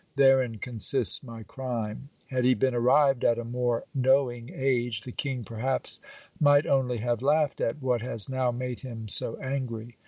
Therein consists my crime ; had he been arrived at a more knowing age, the king perhaps might only have laughed at what has now made him so angry.